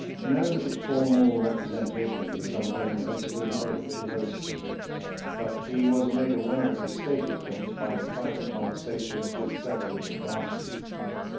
No formal representation of this unwillingness was made to Rosecrans, but he was made aware of the state of things by private conversations with several of the parties.